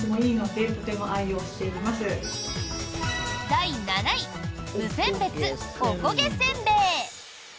第７位無選別おこげせんべい。